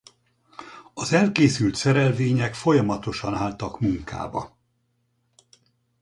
Az elkészült szerelvények folyamatosan álltak munkába.